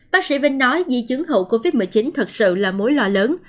bác sĩ vinh nói di chứng hậu covid một mươi chín thật sự là mối lo lớn